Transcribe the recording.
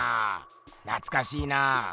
なつかしいなぁ。